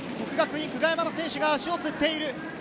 勝利をした國學院久我山の選手が足をつっている。